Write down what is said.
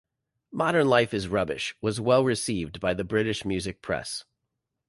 "Modern Life Is Rubbish" was well received by the British music press.